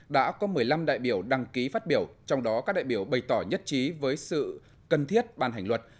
đã có một mươi năm đại biểu đăng ký phát biểu trong đó các đại biểu bày tỏ nhất trí với sự cần thiết ban hành luật